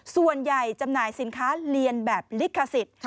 จำหน่ายสินค้าเรียนแบบลิขสิทธิ์